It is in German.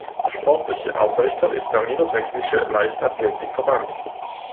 Sportlicher Ausrichter ist der Niedersächsische Leichtathletik-Verband.